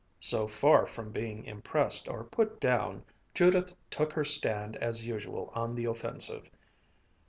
So far from being impressed or put down, Judith took her stand as usual on the offensive.